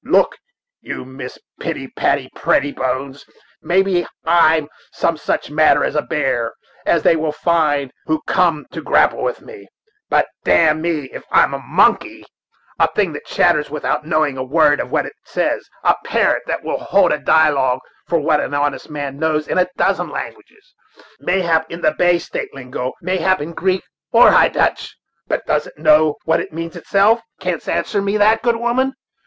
"Look you, Mistress Pitty Patty Prettybones, mayhap I'm some such matter as a bear, as they will find who come to grapple with me; but dam'me if I'm a monkey a thing that chatters without knowing a word of what it says a parrot; that will hold a dialogue, for what an honest man knows, in a dozen languages; mayhap in the Bay of State lingo; mayhap in Greek or High Dutch. But dost it know what it means itself? canst answer me that, good woman?